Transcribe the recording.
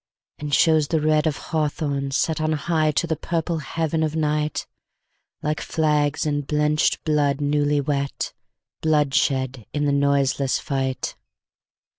And shows the red of hawthorn setOn high to the purple heaven of night, Like flags in blenched blood newly wet, Blood shed in the noiseless fight.